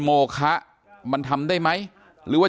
การแก้เคล็ดบางอย่างแค่นั้นเอง